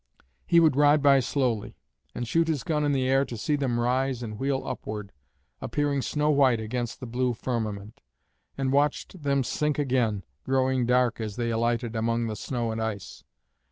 He would ride by slowly, and shoot his gun in the air to see them rise and wheel upward, appearing snow white against the blue firmament; and watched them sink again, growing dark as they alighted among the snow and ice.